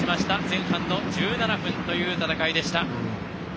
前半の１７分という戦いでした。